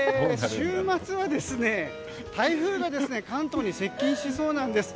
週末は台風が関東に接近しそうなんです。